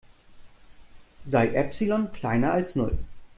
Sei Epsilon kleiner als Null.